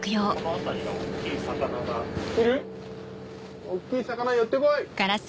大っきい魚寄ってこい！